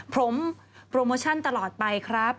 ผมโปรโมชั่นตลอดไปครับ